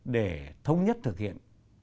để thống nhất thực hiện